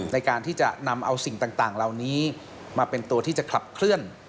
ในการที่จะนำเอาสิ่งต่างเหล่านี้มาเป็นตัวที่จะขับเคลื่อน